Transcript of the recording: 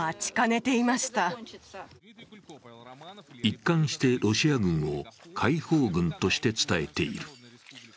一貫してロシア軍を解放軍として伝えている。